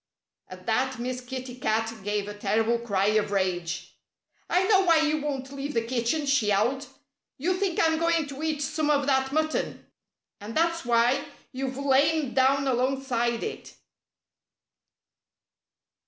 At that Miss Kitty Cat gave a terrible cry of rage. "I know why you won't leave the kitchen!" she yowled. "You think I'm going to eat some of that mutton. And that's why you've lain down alongside it."